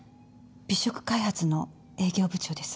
美食開発の営業部長です。